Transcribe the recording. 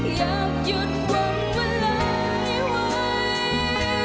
อยากหยุดหวั่นเวลาให้ไหว